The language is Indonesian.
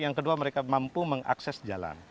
yang kedua mereka mampu mengakses jalan